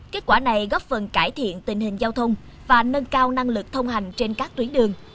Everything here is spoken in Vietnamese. kết quả này góp phần cải thiện tình hình giao thông và nâng cao năng lực thông hành trên các tuyến đường